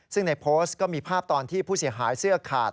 ซึ่งในโพสต์ก็มีภาพตอนที่ผู้เสียหายเสื้อขาด